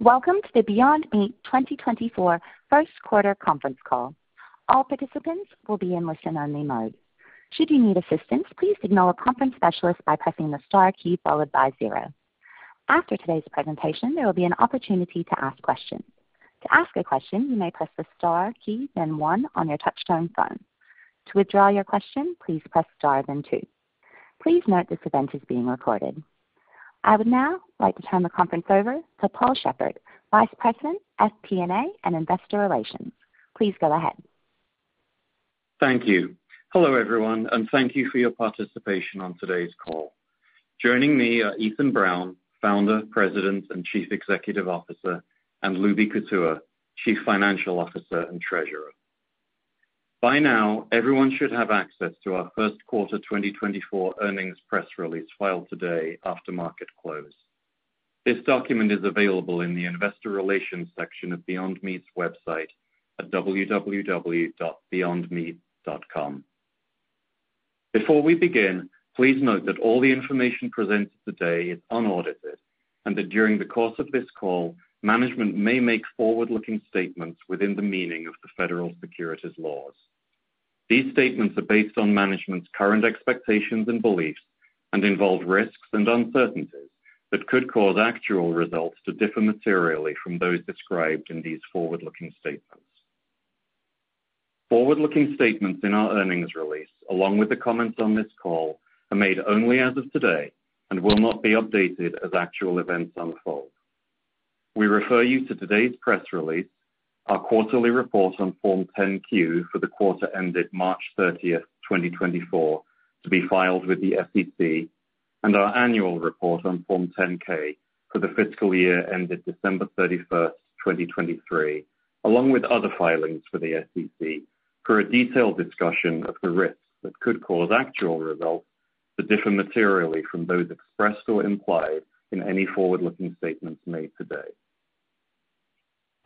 Welcome to the Beyond Meat 2024 first-quarter conference call. All participants will be in listen-only mode. Should you need assistance, please page a conference specialist by pressing the star key followed by 0. After today's presentation, there will be an opportunity to ask questions. To ask a question, you may press the star key then one on your touch-tone phone. To withdraw your question, please press star then two. Please note this event is being recorded. I would now like to turn the conference over to Paul Shepherd, Vice President, FP&A and Investor Relations. Please go ahead. Thank you. Hello everyone, and thank you for your participation on today's call. Joining me are Ethan Brown, Founder, President and Chief Executive Officer, and Lubi Kutua, Chief Financial Officer and Treasurer. By now, everyone should have access to our first quarter 2024 earnings press release filed today after market close. This document is available in the Investor Relations section of Beyond Meat's website at www.beyondmeat.com. Before we begin, please note that all the information presented today is unaudited and that during the course of this call, management may make forward-looking statements within the meaning of the federal securities laws. These statements are based on management's current expectations and beliefs and involve risks and uncertainties that could cause actual results to differ materially from those described in these forward-looking statements. Forward-looking statements in our earnings release, along with the comments on this call, are made only as of today and will not be updated as actual events unfold. We refer you to today's press release, our quarterly report on Form 10-Q for the quarter ended March 30, 2024, to be filed with the SEC, and our annual report on Form 10-K for the fiscal year ended December 31, 2023, along with other filings for the SEC for a detailed discussion of the risks that could cause actual results to differ materially from those expressed or implied in any forward-looking statements made today.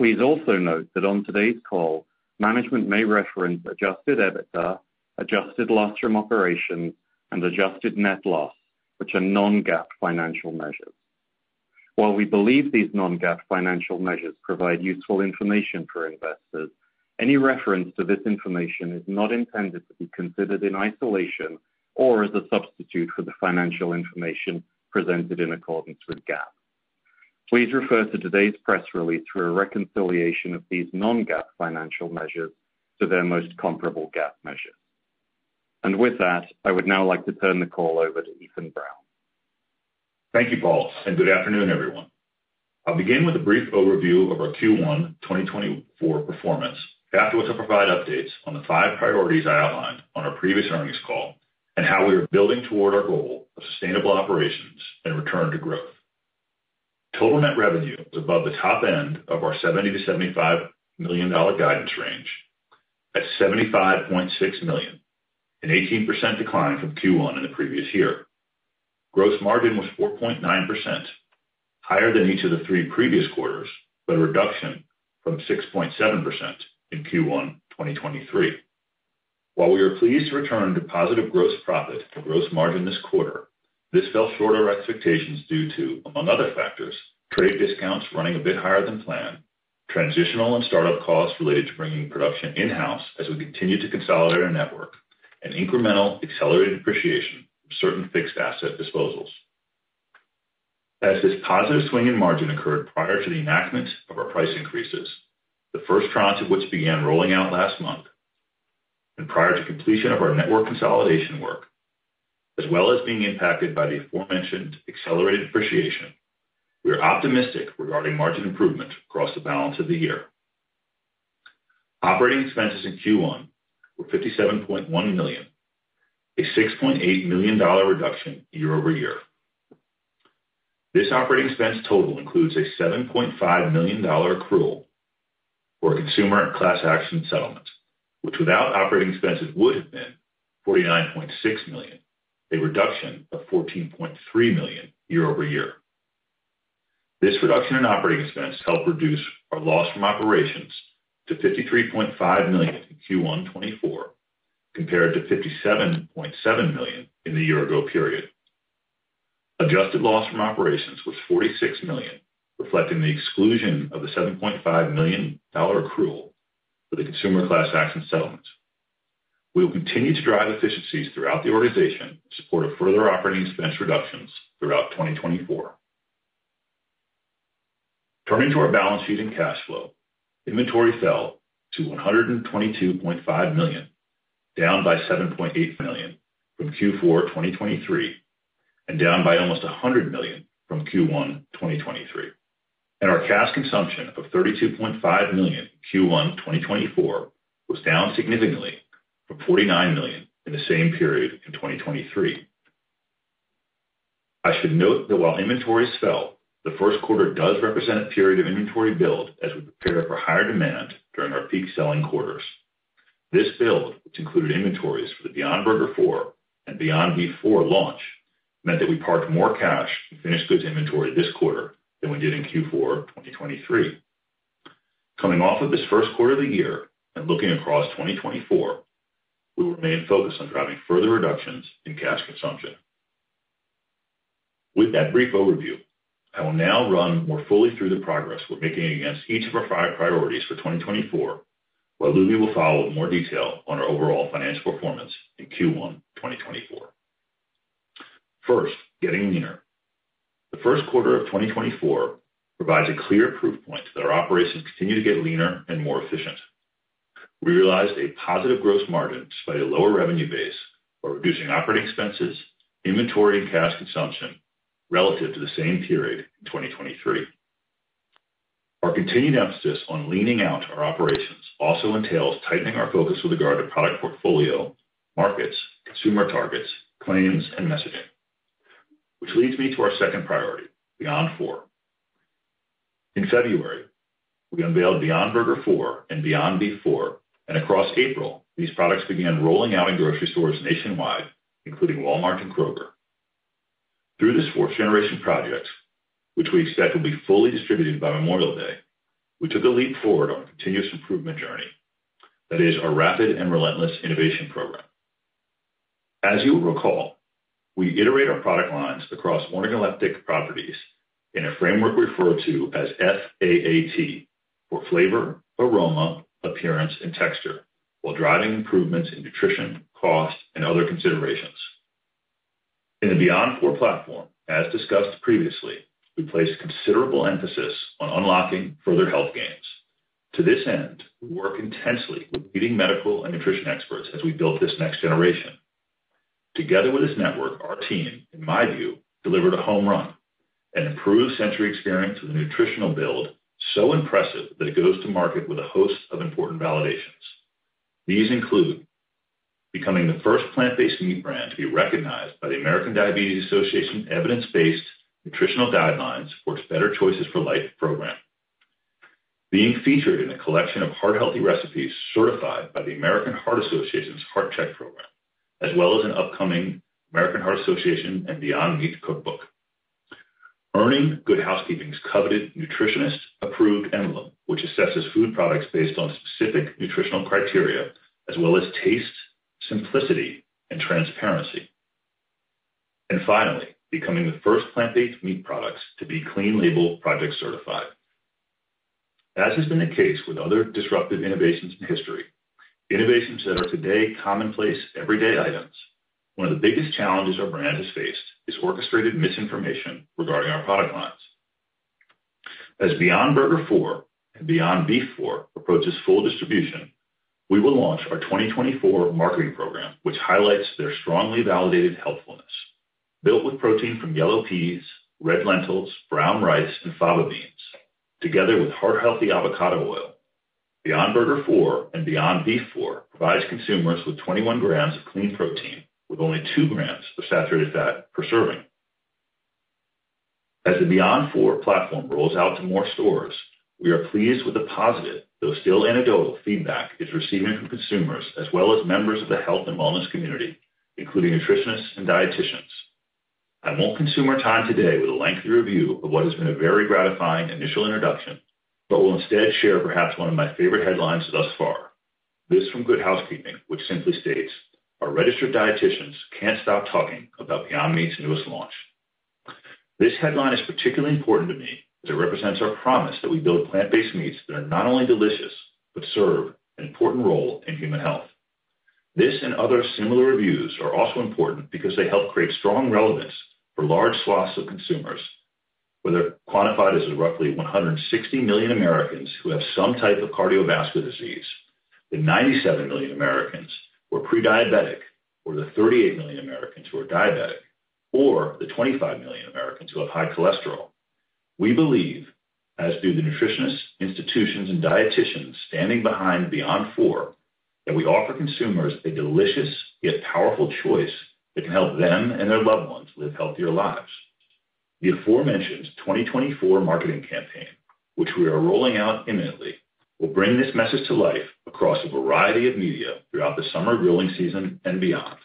Please also note that on today's call, management may reference Adjusted EBITDA, adjusted loss from operations, and Adjusted Net Loss, which are non-GAAP financial measures. While we believe these non-GAAP financial measures provide useful information for investors, any reference to this information is not intended to be considered in isolation or as a substitute for the financial information presented in accordance with GAAP. Please refer to today's press release for a reconciliation of these non-GAAP financial measures to their most comparable GAAP measures. With that, I would now like to turn the call over to Ethan Brown. Thank you, Paul, and good afternoon, everyone. I'll begin with a brief overview of our Q1 2024 performance, after which I'll provide updates on the five priorities I outlined on our previous earnings call and how we are building toward our goal of sustainable operations and return to growth. Total net revenue was above the top end of our $70 million-$75 million guidance range at $75.6 million, an 18% decline from Q1 in the previous year. Gross margin was 4.9%, higher than each of the three previous quarters, but a reduction from 6.7% in Q1 2023. While we are pleased to return to positive gross profit and gross margin this quarter, this fell short of our expectations due to, among other factors, trade discounts running a bit higher than planned, transitional and startup costs related to bringing production in-house as we continue to consolidate our network, and incremental accelerated depreciation from certain fixed asset disposals. As this positive swing in margin occurred prior to the enactment of our price increases, the first tranche of which began rolling out last month, and prior to completion of our network consolidation work, as well as being impacted by the aforementioned accelerated depreciation, we are optimistic regarding margin improvement across the balance of the year. Operating expenses in Q1 were $57.1 million, a $6.8 million reduction year-over-year. This operating expense total includes a $7.5 million accrual for a consumer class action settlement, which without operating expenses would have been $49.6 million, a reduction of $14.3 million year-over-year. This reduction in operating expense helped reduce our loss from operations to $53.5 million in Q1 2024 compared to $57.7 million in the year-ago period. Adjusted loss from operations was $46 million, reflecting the exclusion of the $7.5 million accrual for the consumer class action settlement. We will continue to drive efficiencies throughout the organization to support further operating expense reductions throughout 2024. Turning to our balance sheet and cash flow, inventory fell to $122.5 million, down by $7.8 million from Q4 2023 and down by almost $100 million from Q1 2023. Our cash consumption of $32.5 million in Q1 2024 was down significantly from $49 million in the same period in 2023. I should note that while inventories fell, the first quarter does represent a period of inventory build as we prepare for higher demand during our peak selling quarters. This build, which included inventories for the Beyond Burger IV and Beyond Beef IV launch, meant that we parked more cash and finished goods inventory this quarter than we did in Q4 2023. Coming off of this first quarter of the year and looking across 2024, we will remain focused on driving further reductions in cash consumption. With that brief overview, I will now run more fully through the progress we're making against each of our priorities for 2024, while Lubi will follow with more detail on our overall financial performance in Q1 2024. First, getting leaner. The first quarter of 2024 provides a clear proof point that our operations continue to get leaner and more efficient. We realized a positive gross margin despite a lower revenue base by reducing operating expenses, inventory, and cash consumption relative to the same period in 2023. Our continued emphasis on leaning out our operations also entails tightening our focus with regard to product portfolio, markets, consumer targets, claims, and messaging, which leads me to our second priority, Beyond IV. In February, we unveiled Beyond Burger IV and Beyond Beef IV, and across April, these products began rolling out in grocery stores nationwide, including Walmart and Kroger. Through this fourth-generation project, which we expect will be fully distributed by Memorial Day, we took a leap forward on a continuous improvement journey, that is, our rapid and relentless innovation program. As you will recall, we iterate our product lines across organoleptic properties in a framework we refer to as FAAT for flavor, aroma, appearance, and texture, while driving improvements in nutrition, cost, and other considerations. In the Beyond IV platform, as discussed previously, we placed considerable emphasis on unlocking further health gains. To this end, we work intensely with leading medical and nutrition experts as we build this next generation. Together with this network, our team, in my view, delivered a home run and improved sensory experience with a nutritional build so impressive that it goes to market with a host of important validations. These include becoming the first plant-based meat brand to be recognized by the American Diabetes Association evidence-based nutritional guidelines for its Better Choices for Life program, being featured in a collection of heart-healthy recipes certified by the American Heart Association's Heart-Check program, as well as an upcoming American Heart Association and Beyond Meat Cookbook, earning Good Housekeeping's coveted Nutritionist Approved Emblem, which assesses food products based on specific nutritional criteria as well as taste, simplicity, and transparency, and finally, becoming the first plant-based meat products to be Clean Label Project certified. As has been the case with other disruptive innovations in history, innovations that are today commonplace everyday items, one of the biggest challenges our brand has faced is orchestrated misinformation regarding our product lines. As Beyond Burger IV and Beyond Beef IV approaches full distribution, we will launch our 2024 marketing program, which highlights their strongly validated helpfulness. Built with protein from yellow peas, red lentils, brown rice, and fava beans, together with heart-healthy avocado oil, Beyond Burger IV and Beyond Beef IV provides consumers with 21 grams of clean protein with only 2 grams of saturated fat per serving. As the Beyond IV platform rolls out to more stores, we are pleased with the positive, though still anecdotal, feedback it's receiving from consumers as well as members of the health and wellness community, including nutritionists and dietitians. I won't consume our time today with a lengthy review of what has been a very gratifying initial introduction, but will instead share perhaps one of my favorite headlines thus far. This from Good Housekeeping, which simply states, "Our registered dietitians can't stop talking about Beyond Meat's newest launch." This headline is particularly important to me as it represents our promise that we build plant-based meats that are not only delicious but serve an important role in human health. This and other similar reviews are also important because they help create strong relevance for large swaths of consumers, whether quantified as roughly 160 million Americans who have some type of cardiovascular disease, the 97 million Americans who are prediabetic, or the 38 million Americans who are diabetic, or the 25 million Americans who have high cholesterol. We believe, as do the nutritionists, institutions, and dietitians standing behind Beyond IV, that we offer consumers a delicious yet powerful choice that can help them and their loved ones live healthier lives. The aforementioned 2024 marketing campaign, which we are rolling out imminently, will bring this message to life across a variety of media throughout the summer grilling season and beyond.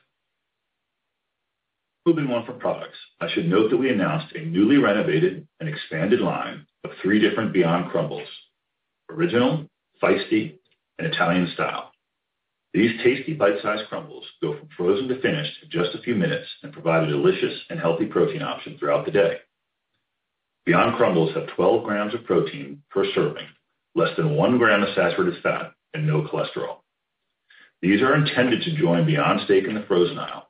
Moving on from products, I should note that we announced a newly renovated and expanded line of three different Beyond Crumbles: Original, Feisty, and Italian-Style. These tasty bite-sized crumbles go from frozen to finished in just a few minutes and provide a delicious and healthy protein option throughout the day. Beyond Crumbles have 12 grams of protein per serving, less than one gram of saturated fat, and no cholesterol. These are intended to join Beyond Steak in the frozen aisle.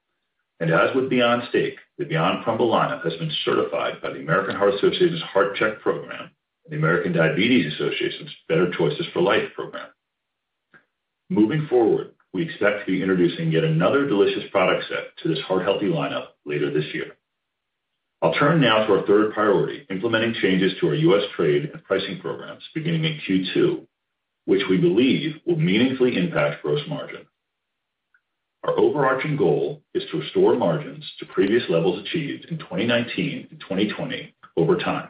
As with Beyond Steak, the Beyond Crumbles lineup has been certified by the American Heart Association's Heart-Check program and the American Diabetes Association's Better Choices for Life program. Moving forward, we expect to be introducing yet another delicious product set to this heart-healthy lineup later this year. I'll turn now to our third priority, implementing changes to our U.S. trade and pricing programs beginning in Q2, which we believe will meaningfully impact gross margin. Our overarching goal is to restore margins to previous levels achieved in 2019 and 2020 over time.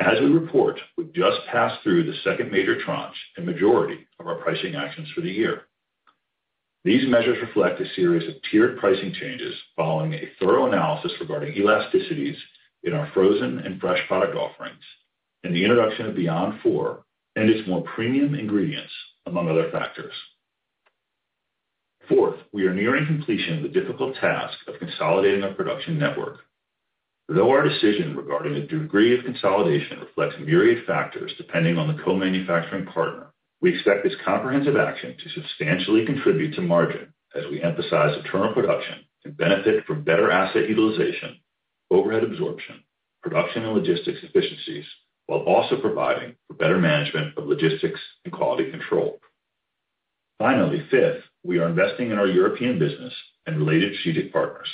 As we report, we've just passed through the second major tranche and majority of our pricing actions for the year. These measures reflect a series of tiered pricing changes following a thorough analysis regarding elasticities in our frozen and fresh product offerings and the introduction of Beyond IV and its more premium ingredients, among other factors. Fourth, we are nearing completion of the difficult task of consolidating our production network. Though our decision regarding the degree of consolidation reflects myriad factors depending on the co-manufacturing partner, we expect this comprehensive action to substantially contribute to margin as we emphasize internal production and benefit from better asset utilization, overhead absorption, production and logistics efficiencies, while also providing for better management of logistics and quality control. Finally, fifth, we are investing in our European business and related strategic partners.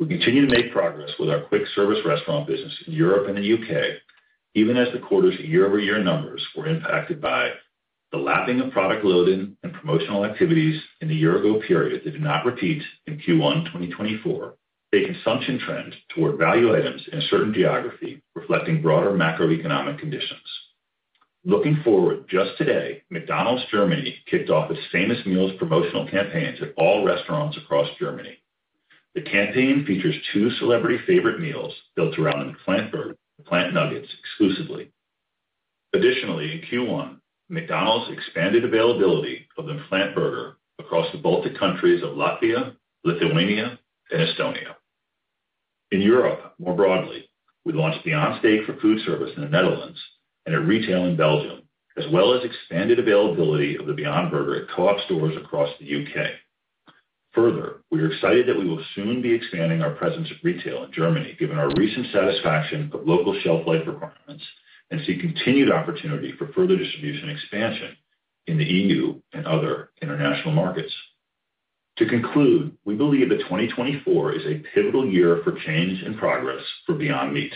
We continue to make progress with our quick service restaurant business in Europe and the UK, even as the quarter's year-over-year numbers were impacted by the lapping of product loading and promotional activities in the year-ago period that did not repeat in Q1 2024. A consumption trend toward value items in a certain geography reflecting broader macroeconomic conditions. Looking forward, just today, McDonald's Germany kicked off its famous meals promotional campaigns at all restaurants across Germany. The campaign features two celebrity favorite meals built around the McPlant Nuggets exclusively. Additionally, in Q1, McDonald's expanded availability of the McPlant across the Baltic countries of Latvia, Lithuania, and Estonia. In Europe, more broadly, we launched Beyond Steak for food service in the Netherlands and at retail in Belgium, as well as expanded availability of the Beyond Burger at Co-op stores across the UK. Further, we are excited that we will soon be expanding our presence of retail in Germany, given our recent satisfaction of local shelf life requirements, and see continued opportunity for further distribution expansion in the EU and other international markets. To conclude, we believe that 2024 is a pivotal year for change and progress for Beyond Meat.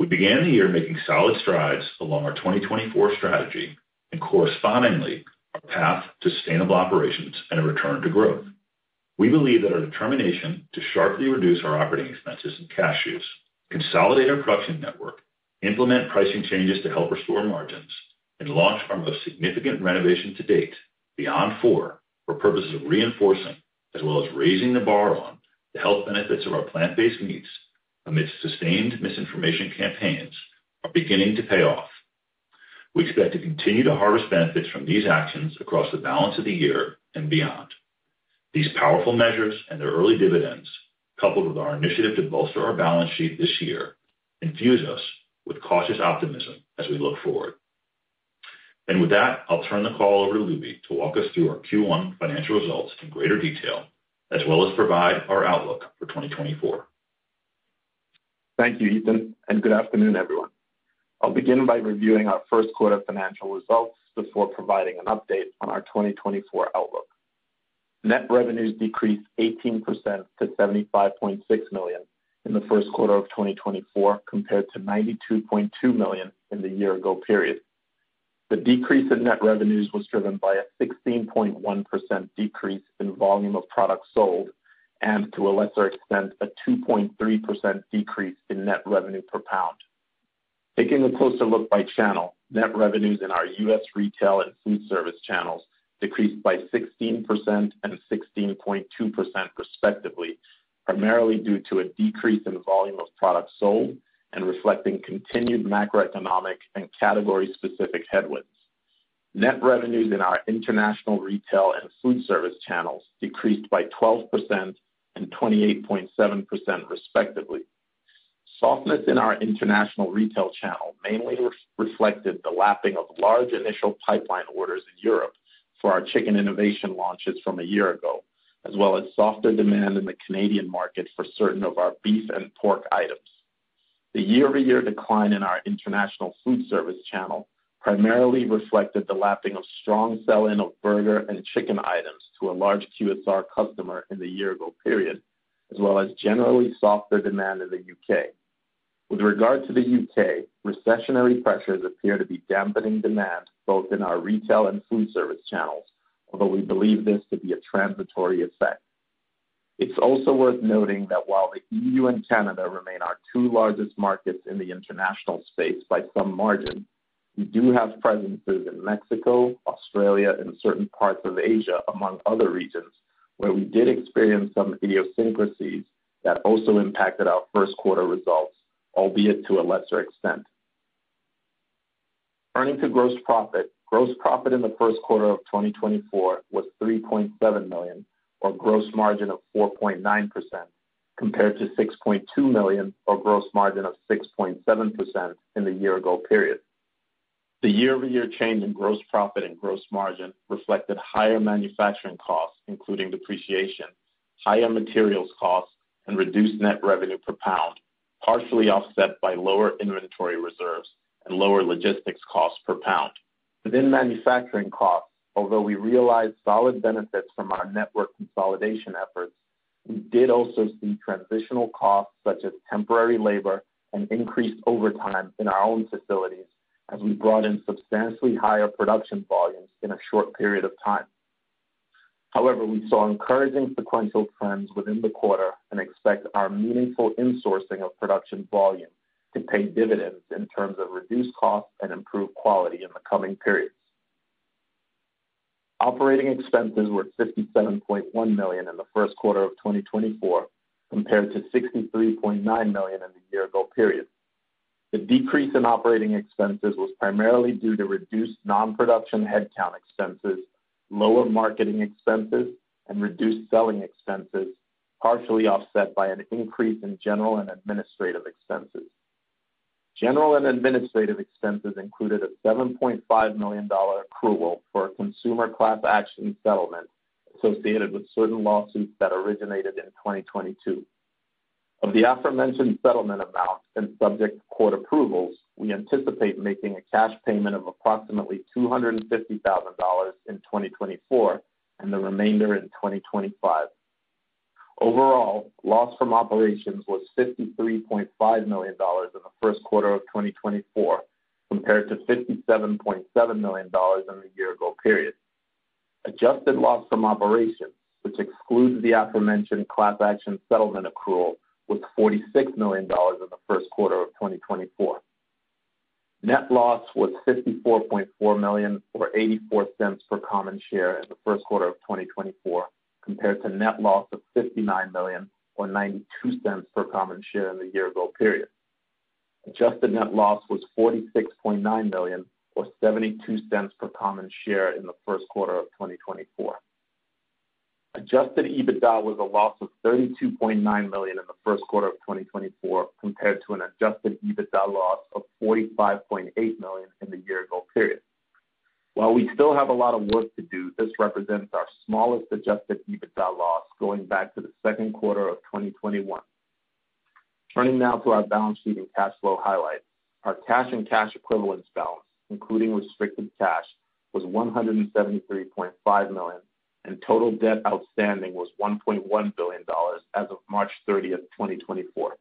We began the year making solid strides along our 2024 strategy and correspondingly our path to sustainable operations and a return to growth. We believe that our determination to sharply reduce our operating expenses and cash use, consolidate our production network, implement pricing changes to help restore margins, and launch our most significant renovation to date, Beyond IV, for purposes of reinforcing as well as raising the bar on the health benefits of our plant-based meats amidst sustained misinformation campaigns are beginning to pay off. We expect to continue to harvest benefits from these actions across the balance of the year and beyond. These powerful measures and their early dividends, coupled with our initiative to bolster our balance sheet this year, infuse us with cautious optimism as we look forward. With that, I'll turn the call over to Lubi to walk us through our Q1 financial results in greater detail as well as provide our outlook for 2024. Thank you, Ethan, and good afternoon, everyone. I'll begin by reviewing our first quarter financial results before providing an update on our 2024 outlook. Net revenues decreased 18% to $75.6 million in the first quarter of 2024 compared to $92.2 million in the year-ago period. The decrease in net revenues was driven by a 16.1% decrease in volume of products sold and, to a lesser extent, a 2.3% decrease in net revenue per pound. Taking a closer look by channel, net revenues in our U.S. retail and food service channels decreased by 16% and 16.2% respectively, primarily due to a decrease in volume of products sold and reflecting continued macroeconomic and category-specific headwinds. Net revenues in our international retail and food service channels decreased by 12% and 28.7% respectively. Softness in our international retail channel mainly reflected the lapping of large initial pipeline orders in Europe for our chicken innovation launches from a year ago, as well as softer demand in the Canadian market for certain of our beef and pork items. The year-over-year decline in our international food service channel primarily reflected the lapping of strong sell-in of burger and chicken items to a large QSR customer in the year-ago period, as well as generally softer demand in the UK. With regard to the UK, recessionary pressures appear to be dampening demand both in our retail and food service channels, although we believe this to be a transitory effect. It's also worth noting that while the EU and Canada remain our two largest markets in the international space by some margin, we do have presences in Mexico, Australia, and certain parts of Asia, among other regions, where we did experience some idiosyncrasies that also impacted our first quarter results, albeit to a lesser extent. Turning to gross profit, gross profit in the first quarter of 2024 was $3.7 million or a gross margin of 4.9% compared to $6.2 million or a gross margin of 6.7% in the year-ago period. The year-over-year change in gross profit and gross margin reflected higher manufacturing costs, including depreciation, higher materials costs, and reduced net revenue per pound, partially offset by lower inventory reserves and lower logistics costs per pound. Within manufacturing costs, although we realized solid benefits from our network consolidation efforts, we did also see transitional costs such as temporary labor and increased overtime in our own facilities as we brought in substantially higher production volumes in a short period of time. However, we saw encouraging sequential trends within the quarter and expect our meaningful insourcing of production volume to pay dividends in terms of reduced costs and improved quality in the coming periods. Operating expenses were $57.1 million in the first quarter of 2024 compared to $63.9 million in the year-ago period. The decrease in operating expenses was primarily due to reduced non-production headcount expenses, lower marketing expenses, and reduced selling expenses, partially offset by an increase in general and administrative expenses. General and administrative expenses included a $7.5 million accrual for a consumer class action settlement associated with certain lawsuits that originated in 2022. Of the aforementioned settlement amount and subject to quarter approvals, we anticipate making a cash payment of approximately $250,000 in 2024 and the remainder in 2025. Overall, loss from operations was $53.5 million in the first quarter of 2024 compared to $57.7 million in the year-ago period. Adjusted loss from operations, which excludes the aforementioned class action settlement accrual, was $46 million in the first quarter of 2024. Net loss was $54.4 million or $0.84 per common share in the first quarter of 2024 compared to net loss of $59 million or $0.92 per common share in the year-ago period. Adjusted net loss was $46.9 million or $0.72 per common share in the first quarter of 2024. Adjusted EBITDA was a loss of $32.9 million in the first quarter of 2024 compared to an adjusted EBITDA loss of $45.8 million in the year-ago period. While we still have a lot of work to do, this represents our smallest adjusted EBITDA loss going back to the second quarter of 2021. Turning now to our balance sheet and cash flow highlights, our cash and cash equivalents balance, including restricted cash, was $173.5 million, and total debt outstanding was $1.1 billion as of March 30, 2024.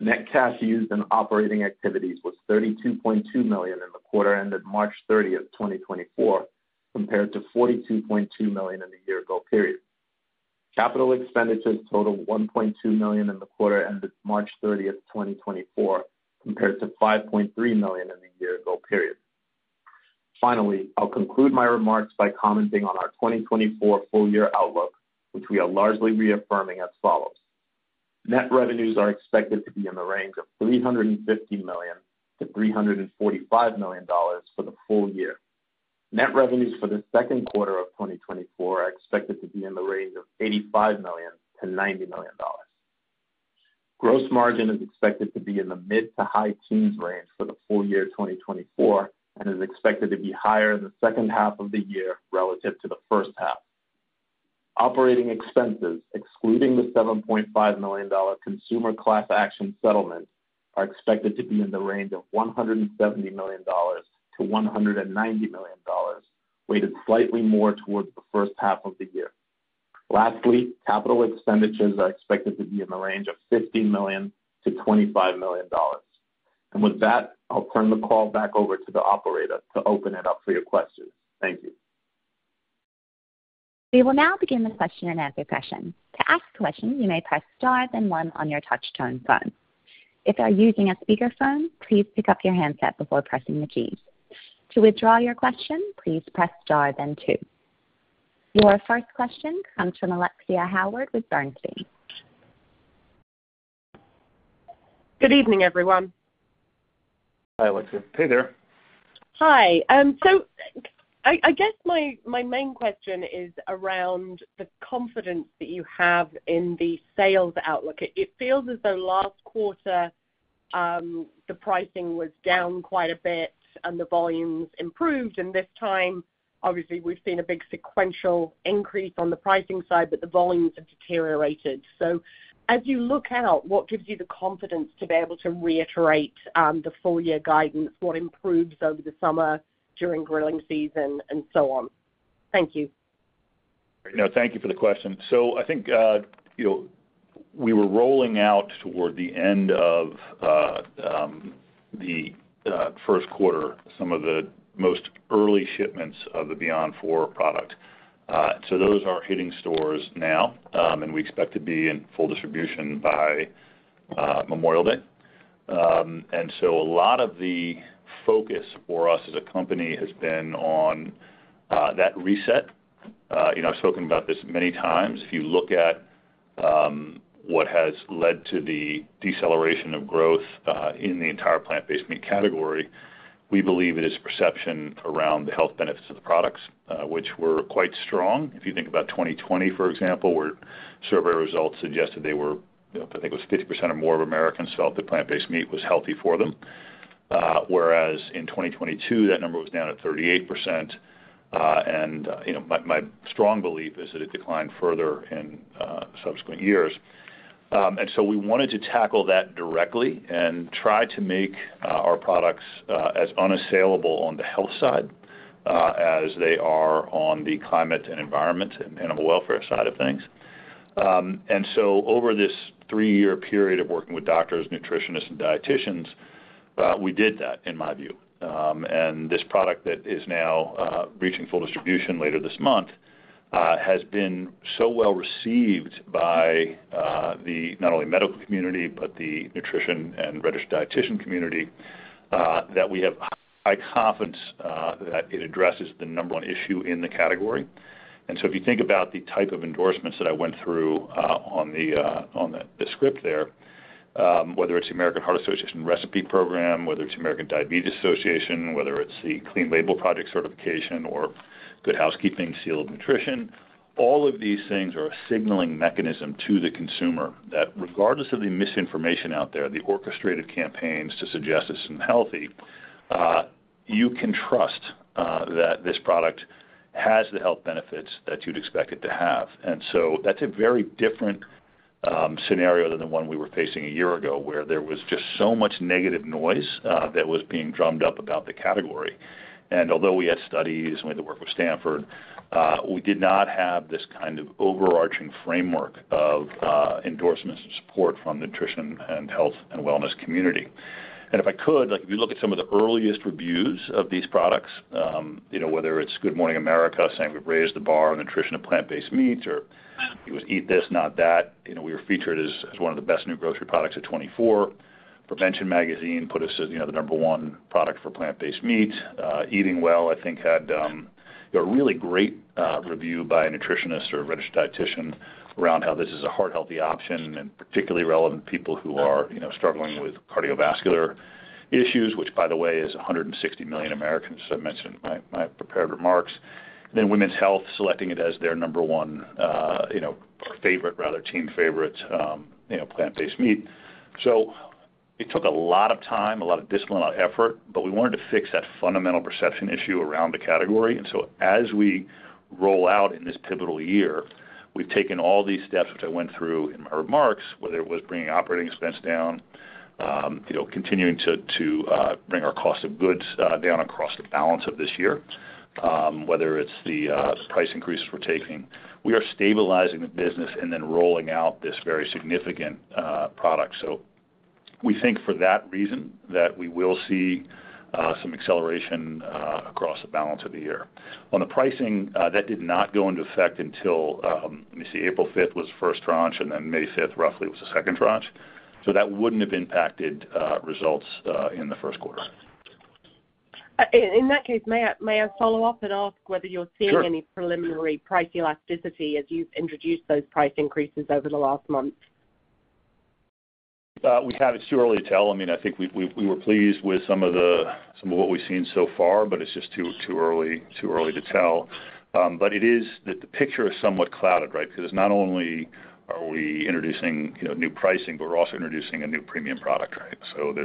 Net cash used in operating activities was $32.2 million in the quarter ended March 30, 2024 compared to $42.2 million in the year-ago period. Capital expenditures totaled $1.2 million in the quarter ended March 30, 2024 compared to $5.3 million in the year-ago period. Finally, I'll conclude my remarks by commenting on our 2024 full-year outlook, which we are largely reaffirming as follows. Net revenues are expected to be in the range of $350 million-$345 million for the full year. Net revenues for the second quarter of 2024 are expected to be in the range of $85 million-$90 million. Gross margin is expected to be in the mid to high teens range for the full year 2024 and is expected to be higher in the second half of the year relative to the first half. Operating expenses, excluding the $7.5 million consumer class action settlement, are expected to be in the range of $170 million-$190 million, weighted slightly more towards the first half of the year. Lastly, capital expenditures are expected to be in the range of $15 million-$25 million. And with that, I'll turn the call back over to the operator to open it up for your questions. Thank you. We will now begin the question-and-answer session. To ask a question, you may press star then one on your touch-tone phone. If you are using a speakerphone, please pick up your handset before pressing the keys. To withdraw your question, please press star then two. Your first question comes from Alexia Howard with Bernstein. Good evening, everyone. Hi, Alexia. Hey there. Hi. So I guess my main question is around the confidence that you have in the sales outlook. It feels as though last quarter, the pricing was down quite a bit and the volumes improved. This time, obviously, we've seen a big sequential increase on the pricing side, but the volumes have deteriorated. So as you look out, what gives you the confidence to be able to reiterate the full-year guidance, what improves over the summer during grilling season, and so on? Thank you. No, thank you for the question. So I think we were rolling out toward the end of the first quarter, some of the most early shipments of the Beyond IV product. So those are hitting stores now, and we expect to be in full distribution by Memorial Day. And so a lot of the focus for us as a company has been on that reset. I've spoken about this many times. If you look at what has led to the deceleration of growth in the entire plant-based meat category, we believe it is perception around the health benefits of the products, which were quite strong. If you think about 2020, for example, where survey results suggested they were, I think it was 50% or more of Americans felt that plant-based meat was healthy for them, whereas in 2022, that number was down at 38%. My strong belief is that it declined further in subsequent years. We wanted to tackle that directly and try to make our products as unassailable on the health side as they are on the climate and environment and animal welfare side of things. Over this three-year period of working with doctors, nutritionists, and dietitians, we did that, in my view. This product that is now reaching full distribution later this month has been so well received by not only the medical community, but the nutrition and registered dietitian community that we have high confidence that it addresses the number one issue in the category. And so if you think about the type of endorsements that I went through on the script there, whether it's the American Heart Association recipe program, whether it's the American Diabetes Association, whether it's the Clean Label Project certification, or Good Housekeeping Seal of Nutrition, all of these things are a signaling mechanism to the consumer that regardless of the misinformation out there, the orchestrated campaigns to suggest it's unhealthy, you can trust that this product has the health benefits that you'd expect it to have. And so that's a very different scenario than the one we were facing a year ago where there was just so much negative noise that was being drummed up about the category. Although we had studies and we had to work with Stanford, we did not have this kind of overarching framework of endorsements and support from the nutrition and health and wellness community. If I could, if you look at some of the earliest reviews of these products, whether it's Good Morning America saying we've raised the bar on nutrition of plant-based meats, or it was Eat This, Not That!, we were featured as one of the best new grocery products of 2024. Prevention Magazine put us as the number one product for plant-based meat. Eating Well, I think, had a really great review by a nutritionist or registered dietitian around how this is a heart-healthy option and particularly relevant to people who are struggling with cardiovascular issues, which, by the way, is 160 million Americans, as I mentioned in my prepared remarks. And then Women's Health selecting it as their number one favorite, rather team favorite, plant-based meat. So it took a lot of time, a lot of discipline, a lot of effort, but we wanted to fix that fundamental perception issue around the category. And so as we roll out in this pivotal year, we've taken all these steps, which I went through in my remarks, whether it was bringing operating expense down, continuing to bring our cost of goods down across the balance of this year, whether it's the price increases we're taking, we are stabilizing the business and then rolling out this very significant product. So we think for that reason that we will see some acceleration across the balance of the year. On the pricing, that did not go into effect until let me see, April 5th was the first tranche, and then May 5th, roughly, was the second tranche. So that wouldn't have impacted results in the first quarter. In that case, may I follow up and ask whether you're seeing any preliminary price elasticity as you've introduced those price increases over the last month? We have it too early to tell. I mean, I think we were pleased with some of what we've seen so far, but it's just too early to tell. But it is that the picture is somewhat clouded, right? Because not only are we introducing new pricing, but we're also introducing a new premium product, right? So we'll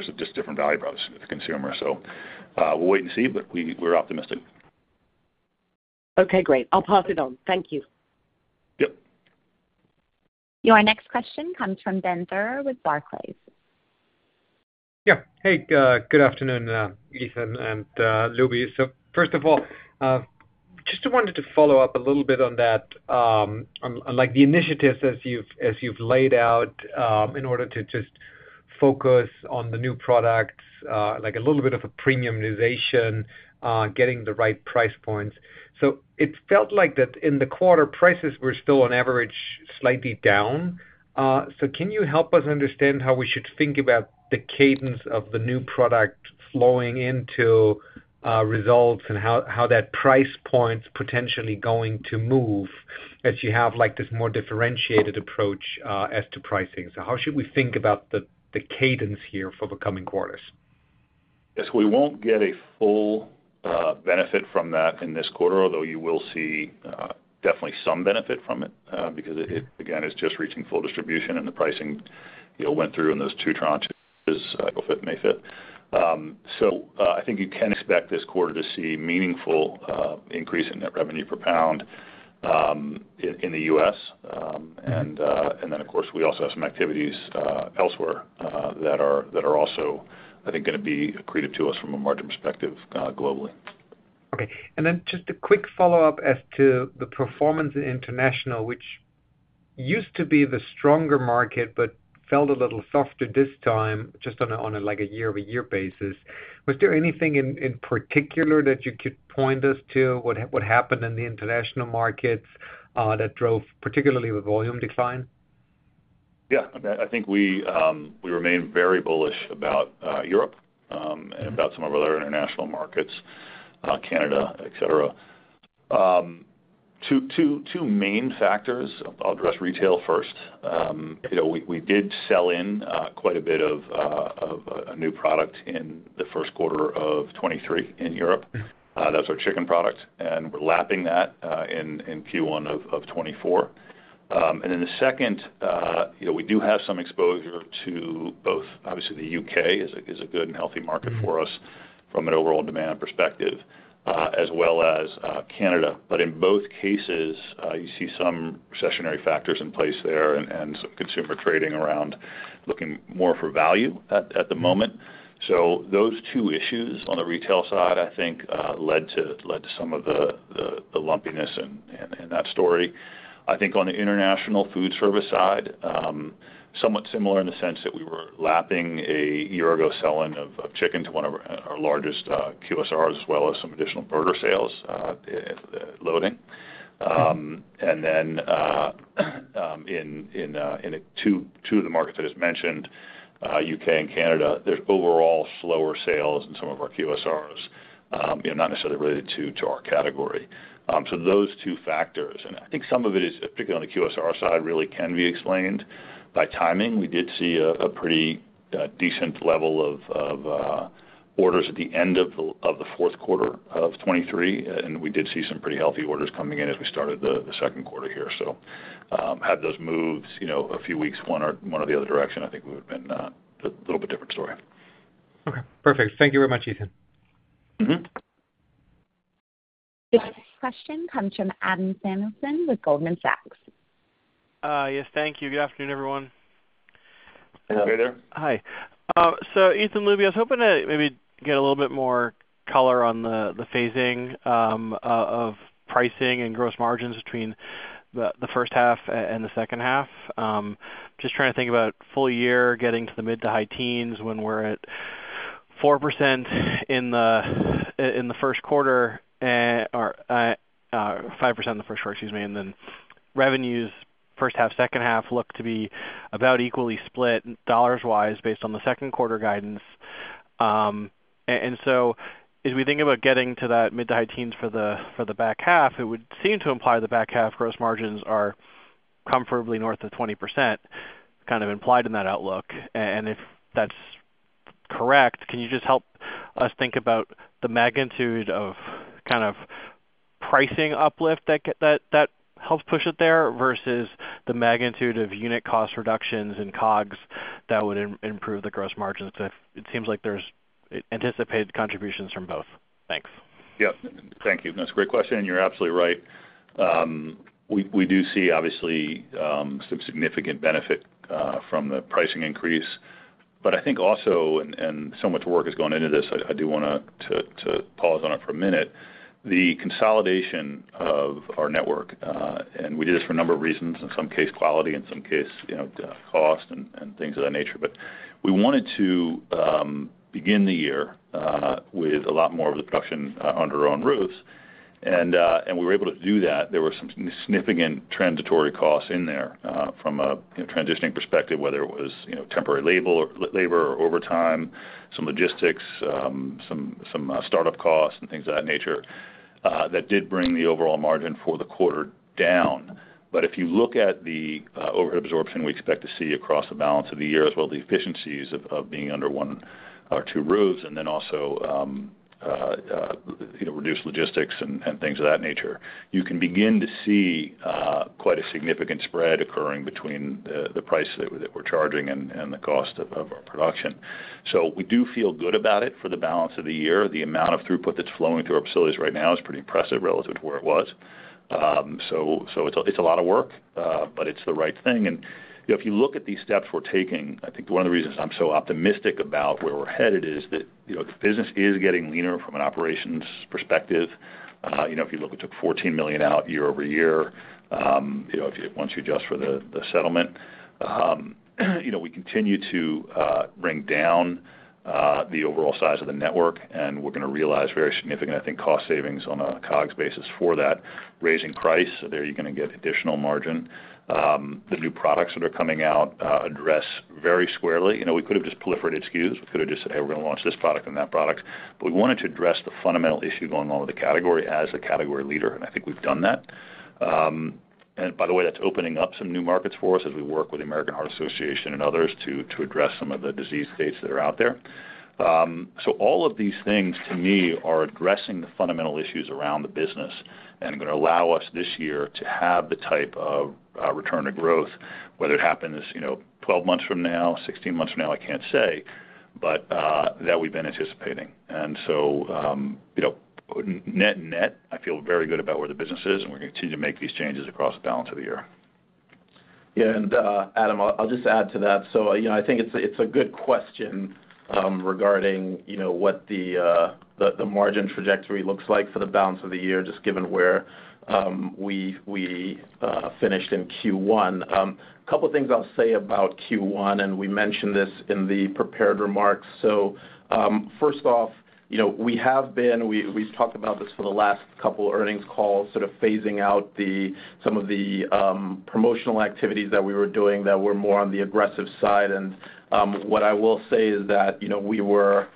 wait and see, but we're optimistic. Okay, great. I'll pass it on. Thank you. Yep. Your next question comes from Ben Theurer with Barclays. Yeah. Hey, good afternoon, Ethan and Lubi. So first of all, just wanted to follow up a little bit on that, on the initiatives as you've laid out in order to just focus on the new products, a little bit of a premiumization, getting the right price points. So it felt like that in the quarter, prices were still, on average, slightly down. So can you help us understand how we should think about the cadence of the new product flowing into results and how that price point's potentially going to move as you have this more differentiated approach as to pricing? So how should we think about the cadence here for the coming quarters? Yes, we won't get a full benefit from that in this quarter, although you will see definitely some benefit from it because it, again, is just reaching full distribution, and the pricing went through in those two tranches: April 5th, May 5th. I think you can expect this quarter to see a meaningful increase in net revenue per pound in the U.S. then, of course, we also have some activities elsewhere that are also, I think, going to be accretive to us from a margin perspective globally. Okay. And then just a quick follow-up as to the performance in international, which used to be the stronger market but felt a little softer this time just on a year-over-year basis. Was there anything in particular that you could point us to, what happened in the international markets that drove particularly the volume decline? Yeah. I mean, I think we remain very bullish about Europe and about some of our other international markets, Canada, etc. Two main factors, I'll address retail first. We did sell in quite a bit of a new product in the first quarter of 2023 in Europe. That was our chicken product, and we're lapping that in Q1 of 2024. And then the second, we do have some exposure to both obviously, the UK is a good and healthy market for us from an overall demand perspective, as well as Canada. But in both cases, you see some recessionary factors in place there and some consumer trading around looking more for value at the moment. So those two issues on the retail side, I think, led to some of the lumpiness in that story. I think on the international food service side, somewhat similar in the sense that we were lapping a year ago selling of chicken to one of our largest QSRs, as well as some additional burger sales loading. And then in two of the markets that I just mentioned, U.K. and Canada, there's overall slower sales in some of our QSRs, not necessarily related to our category. So those two factors, and I think some of it is particularly on the QSR side, really can be explained by timing. We did see a pretty decent level of orders at the end of the fourth quarter of 2023, and we did see some pretty healthy orders coming in as we started the second quarter here. So had those moved a few weeks, one or the other direction, I think we would have been a little bit different story. Okay. Perfect. Thank you very much, Ethan. Your next question comes from Adam Samuelson with Goldman Sachs. Yes, thank you. Good afternoon, everyone. Hey there. Hi. So Ethan and Lubi, I was hoping to maybe get a little bit more color on the phasing of pricing and gross margins between the first half and the second half. Just trying to think about full year, getting to the mid- to high teens when we're at 4% in the first quarter or 5% in the first quarter, excuse me, and then revenues first half, second half look to be about equally split dollars-wise based on the second quarter guidance. And so as we think about getting to that mid- to high teens for the back half, it would seem to imply the back half gross margins are comfortably north of 20%, kind of implied in that outlook. If that's correct, can you just help us think about the magnitude of kind of pricing uplift that helps push it there versus the magnitude of unit cost reductions and COGS that would improve the gross margins? Because it seems like there's anticipated contributions from both. Thanks. Yep. Thank you. That's a great question, and you're absolutely right. We do see, obviously, some significant benefit from the pricing increase. But I think also, and so much work is going into this, I do want to pause on it for a minute, the consolidation of our network. And we did this for a number of reasons, in some case, quality, in some case, cost, and things of that nature. But we wanted to begin the year with a lot more of the production under our own roofs. And we were able to do that. There were some significant transitory costs in there from a transitioning perspective, whether it was temporary labor or overtime, some logistics, some startup costs, and things of that nature that did bring the overall margin for the quarter down. But if you look at the overhead absorption we expect to see across the balance of the year, as well as the efficiencies of being under one or two roofs, and then also reduced logistics and things of that nature, you can begin to see quite a significant spread occurring between the price that we're charging and the cost of our production. So we do feel good about it for the balance of the year. The amount of throughput that's flowing through our facilities right now is pretty impressive relative to where it was. So it's a lot of work, but it's the right thing. And if you look at these steps we're taking, I think one of the reasons I'm so optimistic about where we're headed is that the business is getting leaner from an operations perspective. If you look, it took $14 million out year-over-year once you adjust for the settlement. We continue to bring down the overall size of the network, and we're going to realize very significant, I think, cost savings on a COGS basis for that. Raising price, there you're going to get additional margin. The new products that are coming out address very squarely. We could have just proliferated SKUs. We could have just said, "Hey, we're going to launch this product and that product." But we wanted to address the fundamental issue going on with the category as the category leader, and I think we've done that. And by the way, that's opening up some new markets for us as we work with the American Heart Association and others to address some of the disease states that are out there. So all of these things, to me, are addressing the fundamental issues around the business and going to allow us this year to have the type of return to growth, whether it happens 12 months from now, 16 months from now, I can't say, but that we've been anticipating. And so net and net, I feel very good about where the business is, and we're going to continue to make these changes across the balance of the year. Yeah. And Adam, I'll just add to that. So I think it's a good question regarding what the margin trajectory looks like for the balance of the year, just given where we finished in Q1. A couple of things I'll say about Q1, and we mentioned this in the prepared remarks. So first off, we've talked about this for the last couple of earnings calls, sort of phasing out some of the promotional activities that we were doing that were more on the aggressive side. And what I will say is that we were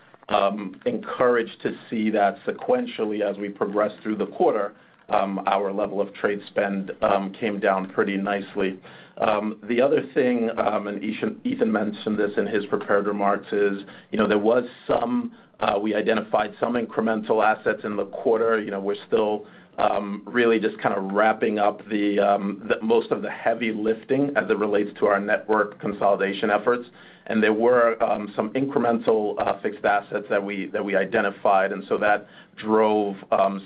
encouraged to see that sequentially as we progressed through the quarter. Our level of trade spend came down pretty nicely. The other thing, and Ethan mentioned this in his prepared remarks, is we identified some incremental assets in the quarter. We're still really just kind of wrapping up most of the heavy lifting as it relates to our network consolidation efforts. And there were some incremental fixed assets that we identified, and so that drove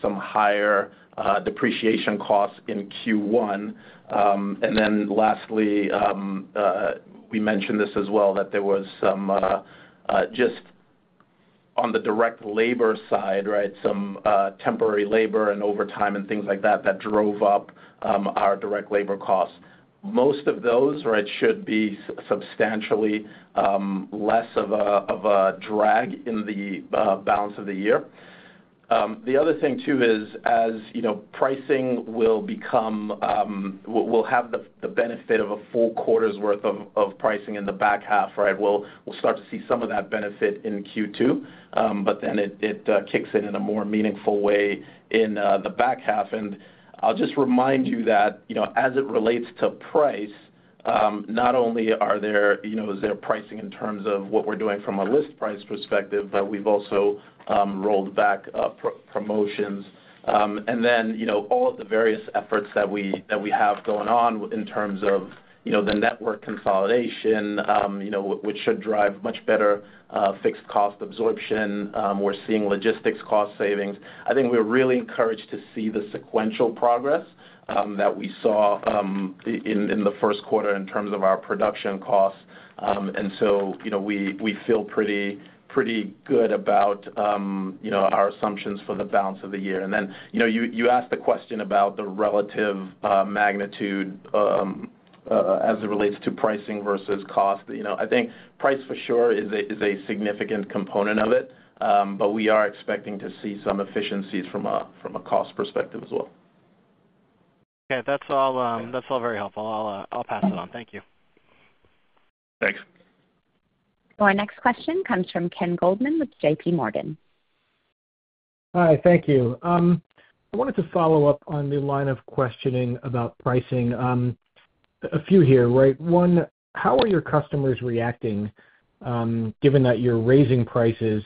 some higher depreciation costs in Q1. And then lastly, we mentioned this as well, that there was some just on the direct labor side, right, some temporary labor and overtime and things like that that drove up our direct labor costs. Most of those, right, should be substantially less of a drag in the balance of the year. The other thing, too, is as pricing will become we'll have the benefit of a full quarter's worth of pricing in the back half, right? We'll start to see some of that benefit in Q2, but then it kicks in in a more meaningful way in the back half. I'll just remind you that as it relates to price, not only is there pricing in terms of what we're doing from a list price perspective, but we've also rolled back promotions. Then all of the various efforts that we have going on in terms of the network consolidation, which should drive much better fixed cost absorption. We're seeing logistics cost savings. I think we're really encouraged to see the sequential progress that we saw in the first quarter in terms of our production costs. So we feel pretty good about our assumptions for the balance of the year. Then you asked the question about the relative magnitude as it relates to pricing versus cost. I think price for sure is a significant component of it, but we are expecting to see some efficiencies from a cost perspective as well. Okay. That's all very helpful. I'll pass it on. Thank you. Thanks. Your next question comes from Ken Goldman with J.P. Morgan. Hi. Thank you. I wanted to follow up on the line of questioning about pricing. A few here, right? One, how are your customers reacting given that you're raising prices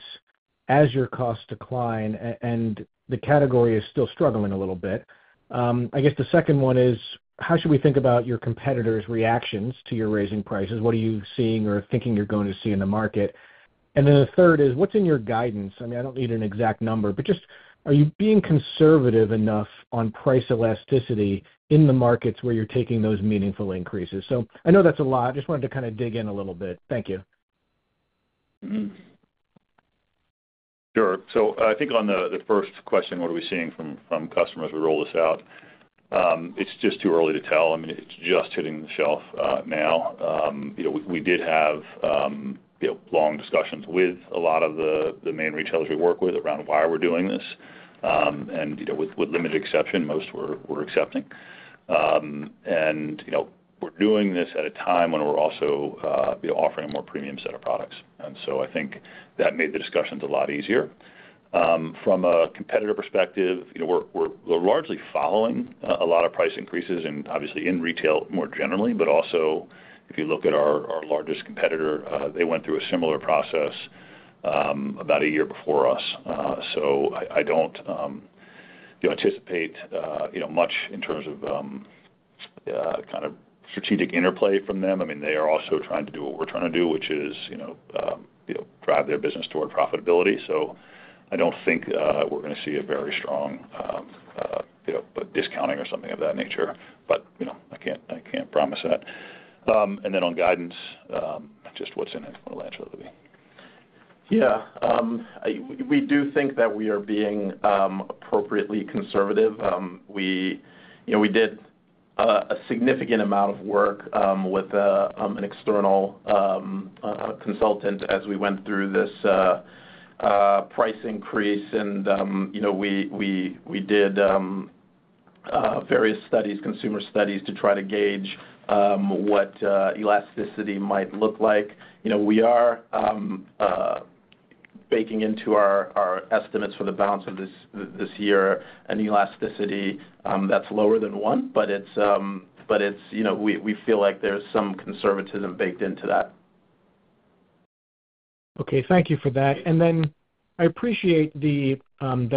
as your costs decline and the category is still struggling a little bit? I guess the second one is, how should we think about your competitors' reactions to your raising prices? What are you seeing or thinking you're going to see in the market? And then the third is, what's in your guidance? I mean, I don't need an exact number, but just are you being conservative enough on price elasticity in the markets where you're taking those meaningful increases? So I know that's a lot. I just wanted to kind of dig in a little bit. Thank you. Sure. I think on the first question, what are we seeing from customers as we roll this out? It's just too early to tell. I mean, it's just hitting the shelf now. We did have long discussions with a lot of the main retailers we work with around why we're doing this. With limited exception, most were accepting. We're doing this at a time when we're also offering a more premium set of products. I think that made the discussions a lot easier. From a competitor perspective, we're largely following a lot of price increases, obviously, in retail more generally. Also if you look at our largest competitor, they went through a similar process about a year before us. I don't anticipate much in terms of kind of strategic interplay from them. I mean, they are also trying to do what we're trying to do, which is drive their business toward profitability. So I don't think we're going to see a very strong discounting or something of that nature, but I can't promise that. And then on guidance, just what's in it? I want to launch with Lubi. Yeah. We do think that we are being appropriately conservative. We did a significant amount of work with an external consultant as we went through this price increase, and we did various studies, consumer studies, to try to gauge what elasticity might look like. We are baking into our estimates for the balance of this year an elasticity that's lower than one, but we feel like there's some conservatism baked into that. Okay. Thank you for that. And then I appreciate the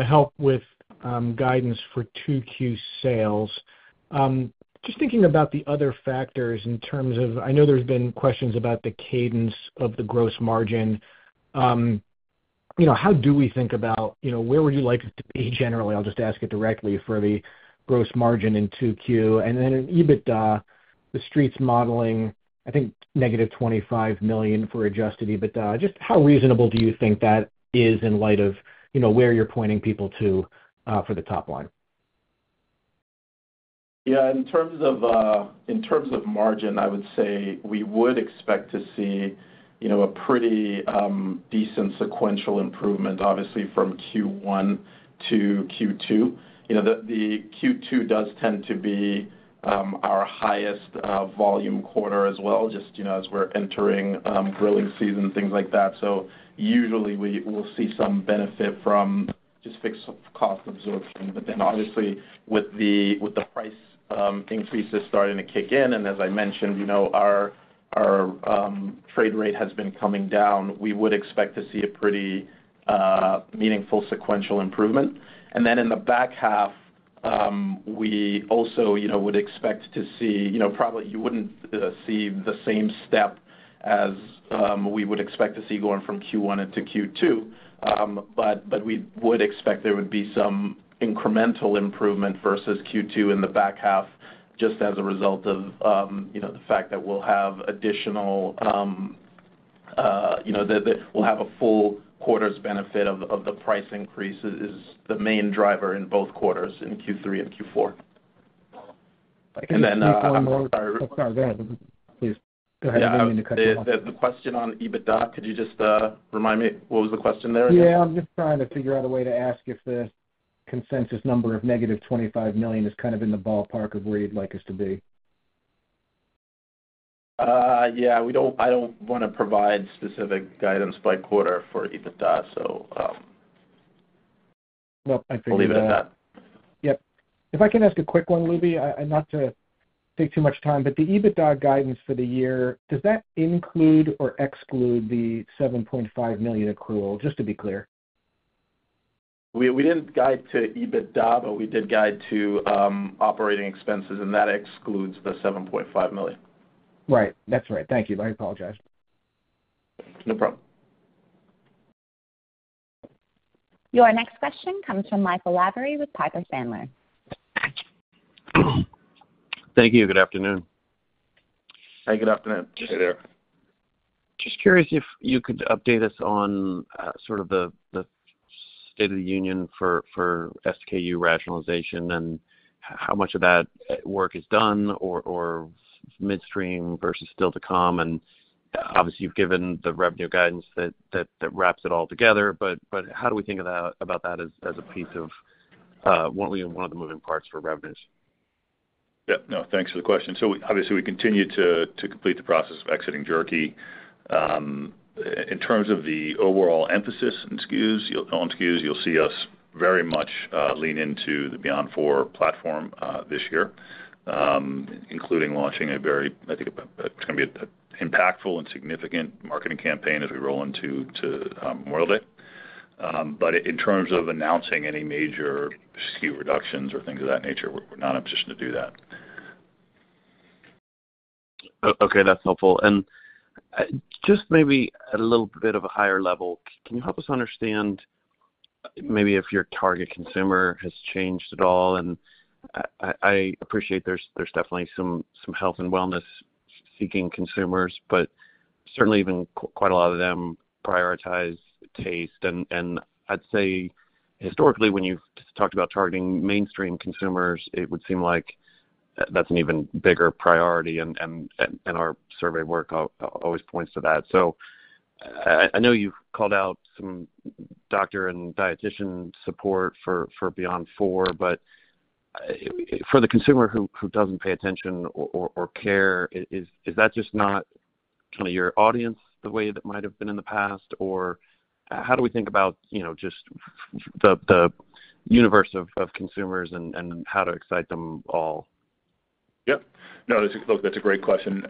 help with guidance for 2Q sales. Just thinking about the other factors in terms of I know there's been questions about the cadence of the gross margin. How do we think about where would you like it to be generally? I'll just ask it directly for the gross margin in 2Q. And then in EBITDA, the Street's modeling, I think negative $25 million for adjusted EBITDA. Just how reasonable do you think that is in light of where you're pointing people to for the top line? Yeah. In terms of margin, I would say we would expect to see a pretty decent sequential improvement, obviously, from Q1 to Q2. The Q2 does tend to be our highest volume quarter as well, just as we're entering grilling season, things like that. So usually, we'll see some benefit from just fixed cost absorption. But then obviously, with the price increases starting to kick in, and as I mentioned, our trade rate has been coming down, we would expect to see a pretty meaningful sequential improvement. And then in the back half, we also would expect to see probably you wouldn't see the same step as we would expect to see going from Q1 into Q2, but we would expect there would be some incremental improvement versus Q2 in the back half just as a result of the fact that we'll have a full quarter's benefit of the price increase is the main driver in both quarters, in Q3 and Q4. And then I'm sorry. Oh, sorry. Go ahead. Please go ahead. I didn't mean to cut you off. Yeah. The question on EBITDA, could you just remind me? What was the question there again? Yeah. I'm just trying to figure out a way to ask if the consensus number of -$25 million is kind of in the ballpark of where you'd like us to be. Yeah. I don't want to provide specific guidance by quarter for EBITDA, so. Well, I figured. I'll leave it at that. Yep. If I can ask a quick one, Lubi, not to take too much time, but the EBITDA guidance for the year, does that include or exclude the $7.5 million accrual, just to be clear? We didn't guide to EBITDA, but we did guide to operating expenses, and that excludes the $7.5 million. Right. That's right. Thank you. I apologize. No problem. Your next question comes from Michael Lavery with Piper Sandler. Thank you. Good afternoon. Hi. Good afternoon. Hey there. Just curious if you could update us on sort of the state of the union for SKU rationalization and how much of that work is done or midstream versus still to come. Obviously, you've given the revenue guidance that wraps it all together, but how do we think about that as a piece, or weren't we, one of the moving parts for revenues? Yeah. No. Thanks for the question. So obviously, we continue to complete the process of exiting Jerky. In terms of the overall emphasis on SKUs, you'll see us very much lean into the Beyond IV platform this year, including launching a very, I think it's going to be an impactful and significant marketing campaign as we roll into Memorial Day. But in terms of announcing any major SKU reductions or things of that nature, we're not in a position to do that. Okay. That's helpful. And just maybe a little bit of a higher level, can you help us understand maybe if your target consumer has changed at all? And I appreciate there's definitely some health and wellness-seeking consumers, but certainly, even quite a lot of them prioritize taste. And I'd say historically, when you've talked about targeting mainstream consumers, it would seem like that's an even bigger priority, and our survey work always points to that. So I know you've called out some doctor and dietitian support for Beyond IV, but for the consumer who doesn't pay attention or care, is that just not kind of your audience the way that might have been in the past, or how do we think about just the universe of consumers and how to excite them all? Yep. No. Look, that's a great question.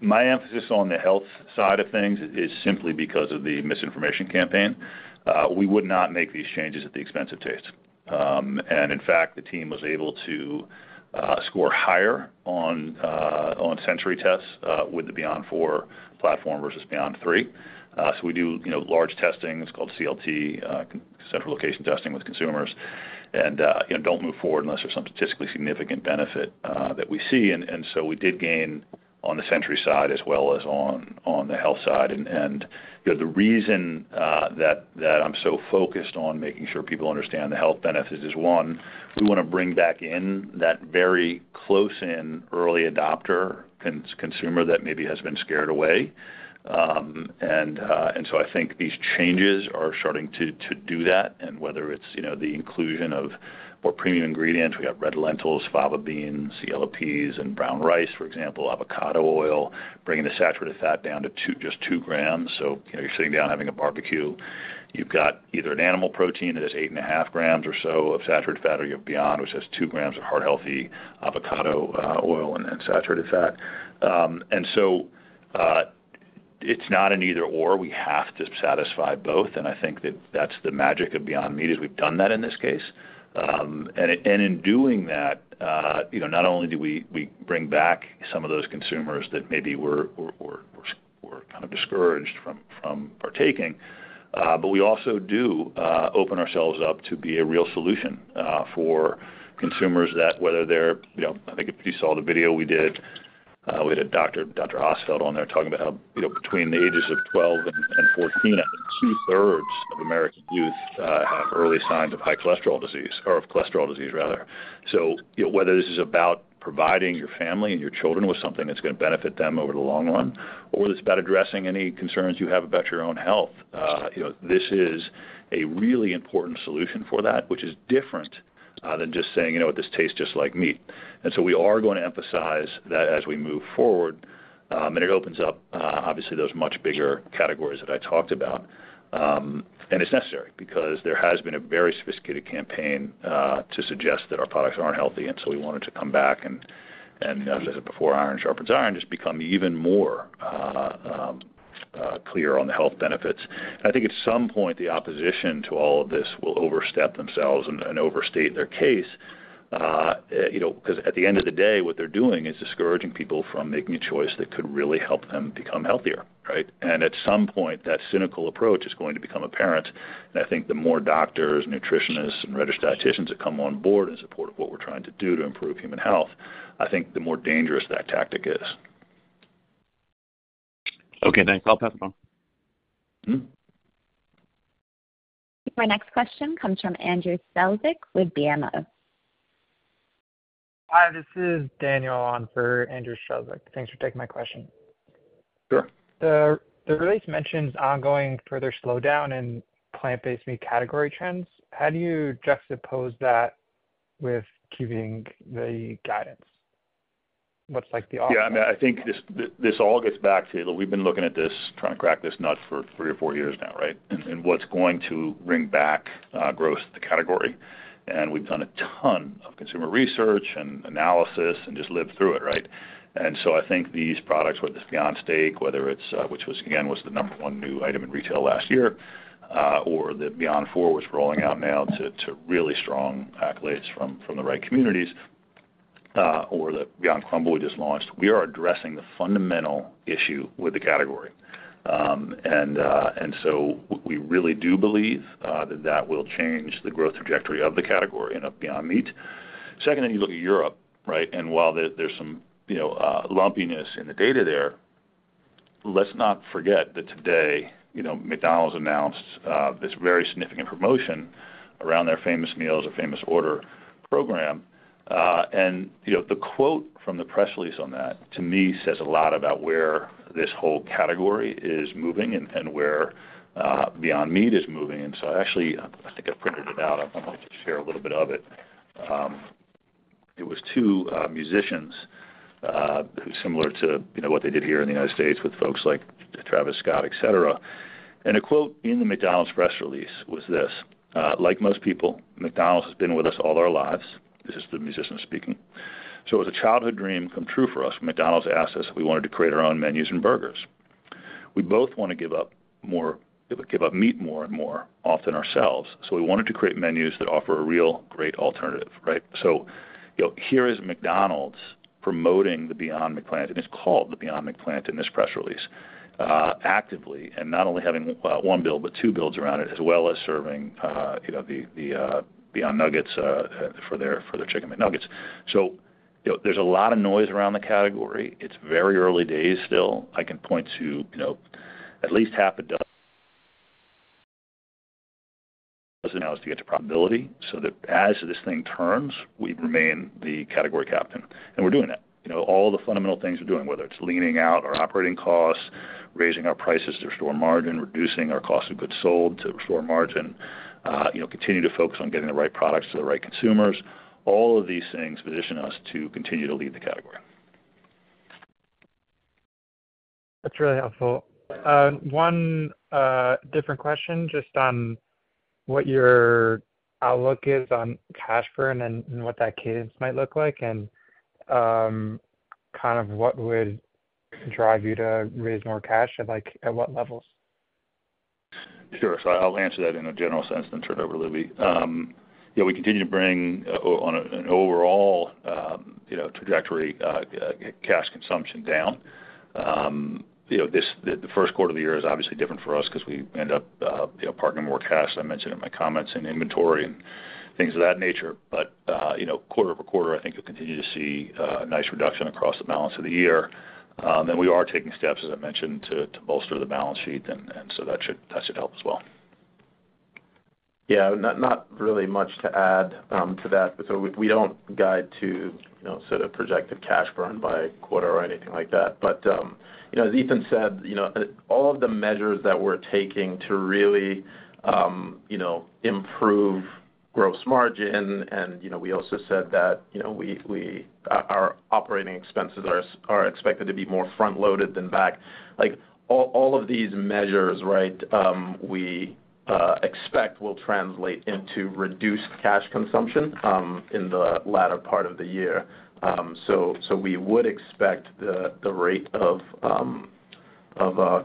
My emphasis on the health side of things is simply because of the misinformation campaign. We would not make these changes at the expense of taste. And in fact, the team was able to score higher on sensory tests with the Beyond IV platform versus Beyond III. So we do large testing. It's called CLT, central location testing with consumers, and don't move forward unless there's some statistically significant benefit that we see. And so we did gain on the sensory side as well as on the health side. And the reason that I'm so focused on making sure people understand the health benefits is, one, we want to bring back in that very close-in, early adopter consumer that maybe has been scared away. And so I think these changes are starting to do that. And whether it's the inclusion of more premium ingredients, we got red lentils, fava beans, CLPs, and brown rice, for example, avocado oil, bringing the saturated fat down to just 2 grams. So you're sitting down having a barbecue. You've got either an animal protein that has 8.5 grams or so of saturated fat, or you have Beyond, which has 2 grams of heart-healthy avocado oil and saturated fat. And so it's not an either/or. We have to satisfy both. And I think that that's the magic of Beyond Meat, is we've done that in this case. In doing that, not only do we bring back some of those consumers that maybe we're kind of discouraged from partaking, but we also do open ourselves up to be a real solution for consumers that whether they're I think if you saw the video we did, we had a doctor, Dr. Ostfeld, on there talking about how between the ages of 12 and 14, I think two-thirds of American youth have early signs of high cholesterol disease or of cholesterol disease, rather. So whether this is about providing your family and your children with something that's going to benefit them over the long run, or if it's about addressing any concerns you have about your own health, this is a really important solution for that, which is different than just saying, "You know what? This tastes just like meat." So we are going to emphasize that as we move forward. It's necessary because there has been a very sophisticated campaign to suggest that our products aren't healthy. So we wanted to come back and, as I said before, iron sharpens iron, just become even more clear on the health benefits. I think at some point, the opposition to all of this will overstep themselves and overstate their case. Because at the end of the day, what they're doing is discouraging people from making a choice that could really help them become healthier, right? At some point, that cynical approach is going to become apparent. And I think the more doctors, nutritionists, and registered dietitians that come on board in support of what we're trying to do to improve human health, I think the more dangerous that tactic is. Okay. Thanks. I'll pass it on. My next question comes from Andrew Strelzik with BMO. Hi. This is Daniel on for Andrew Strelzik. Thanks for taking my question. Sure. The release mentions ongoing further slowdown in plant-based meat category trends. How do you juxtapose that with keeping the guidance? What's the option? Yeah. I mean, I think this all gets back to we've been looking at this, trying to crack this nut for 3 or 4 years now, right, and what's going to bring back growth to the category. We've done a ton of consumer research and analysis and just lived through it, right? And so I think these products, whether it's Beyond Steak, which again was the number one new item in retail last year, or the Beyond IV was rolling out now to really strong accolades from the right communities, or the Beyond Crumbles we just launched, we are addressing the fundamental issue with the category. And so we really do believe that that will change the growth trajectory of the category in Beyond Meat. Second, then you look at Europe, right? While there's some lumpiness in the data there, let's not forget that today, McDonald's announced this very significant promotion around their Famous Meals, their Famous Orders program. The quote from the press release on that, to me, says a lot about where this whole category is moving and where Beyond Meat is moving. So actually, I think I printed it out. I'm going to share a little bit of it. It was two musicians, similar to what they did here in the United States with folks like Travis Scott, etc. A quote in the McDonald's press release was this: "Like most people, McDonald's has been with us all our lives." This is the musician speaking. "So it was a childhood dream come true for us when McDonald's asked us if we wanted to create our own menus and burgers. We both want to give up more give up meat more and more often ourselves. So we wanted to create menus that offer a real great alternative, right? So here is McDonald's promoting the Beyond McPlant. And it's called the Beyond McPlant in this press release actively and not only having one billboard but two billboards around it, as well as serving the Beyond Nuggets for their chicken McNuggets. So there's a lot of noise around the category. It's very early days still. I can point to at least half a dozen now is to get to profitability so that as this thing turns, we remain the category captain. And we're doing that. All the fundamental things we're doing, whether it's leaning out our operating costs, raising our prices to restore margin, reducing our cost of goods sold to restore margin, continue to focus on getting the right products to the right consumers, all of these things position us to continue to lead the category. That's really helpful. One different question just on what your outlook is on cash burn and what that cadence might look like and kind of what would drive you to raise more cash at what levels? Sure. So I'll answer that in a general sense and then turn it over to Lubi. We continue to bring on an overall trajectory, cash consumption down. The first quarter of the year is obviously different for us because we end up parking more cash, as I mentioned in my comments, in inventory and things of that nature. But quarter-over-quarter, I think you'll continue to see a nice reduction across the balance of the year. And we are taking steps, as I mentioned, to bolster the balance sheet. And so that should help as well. Yeah. Not really much to add to that. So we don't guide to sort of projected cash burn by quarter or anything like that. But as Ethan said, all of the measures that we're taking to really improve gross margin, and we also said that our operating expenses are expected to be more front-loaded than back. All of these measures, right, we expect will translate into reduced cash consumption in the latter part of the year. So we would expect the rate of